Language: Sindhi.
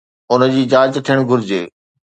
ان جي جاچ ٿيڻ گهرجي